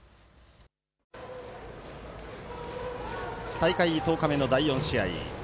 大会１０日目の第４試合。